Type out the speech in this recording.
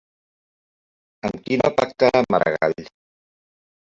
Amb qui no pactarà Maragall?